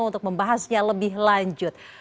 untuk membahasnya lebih lanjut